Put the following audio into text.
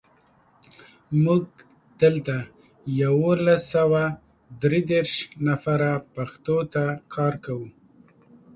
موږ دلته یولس سوه درودېرش نفره پښتو ته کار کوو.